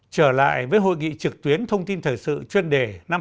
trở lại với hội nghị trực tuyến thông tin thời sự chuyên đề năm hai nghìn hai mươi